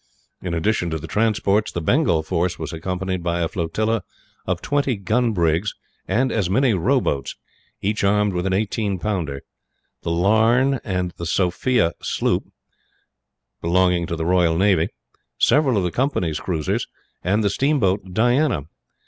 In addition to the transports, the Bengal force was accompanied by a flotilla of twenty gun brigs and as many row boats, each armed with an eighteen pounder; the Larne and Sophia sloop, belonging to the Royal Navy; several of the Company's cruisers; and the steamboat Diana.